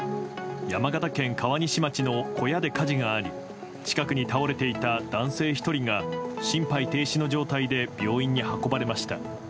山形県川西町の小屋で火事があり近くに倒れていた男性１人が心肺停止の状態で病院に運ばれました。